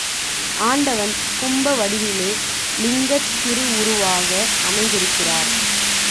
ஆண்டவன் கும்பவடிவிலே லிங்கத் திருவுருவாக அமைந்திருக்கிறார்.